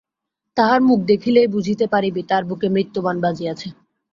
তাহার মুখ দেখিলেই বুঝিতে পারিবি, তার বুকে মৃত্যুবাণ বাজিয়াছে।